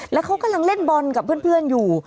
แล้วเขากำลังเล่นบอลกับเพื่อนอยู่